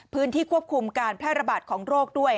พื้นที่ควบคุมการแพร่ระบาดของโรคด้วย